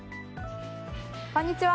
こんにちは。